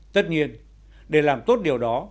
tất nhiên để làm tốt điều đó